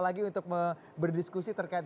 lagi untuk berdiskusi terkait